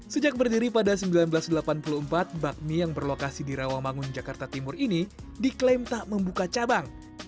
sejak berdiri pada seribu sembilan ratus delapan puluh empat bakmi yang berlokasi di rawamangun jakarta timur ini diklaim tak membuka cabang